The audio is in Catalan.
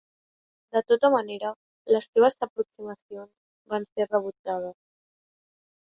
De tota manera, les seves aproximacions van ser rebutjades.